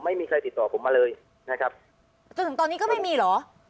ไม่มีใครติดต่อผมมาเลยนะครับจนถึงตอนนี้ก็ไม่มีเหรอ